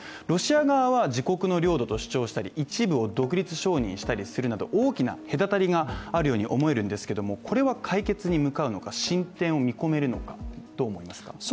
ロシア側は自国の領土と主張したり一部を独立承認したりするなど大きな隔たりがあるように思うんですけれどもこれは解決に向かうのか、進展を見込めるのか、どう思いますか？